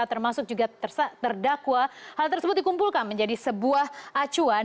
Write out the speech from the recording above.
termasuk juga terdakwa hal tersebut dikumpulkan menjadi sebuah acuan